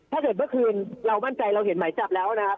ถ้าเกิดเมื่อคืนเรามั่นใจเราเห็นหมายจับแล้วนะครับ